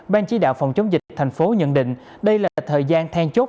ban chỉ đạo phòng chống dịch thành phố nhận định đây là thời gian then chốt